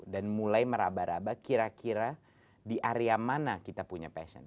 dan mulai meraba raba kira kira di area mana kita punya passion